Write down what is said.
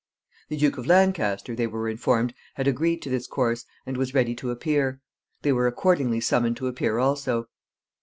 The Duke of Lancaster, they were informed, had agreed to this course, and was ready to appear. They were accordingly summoned to appear also.